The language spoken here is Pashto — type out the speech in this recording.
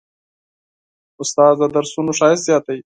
استاد د درسونو ښایست زیاتوي.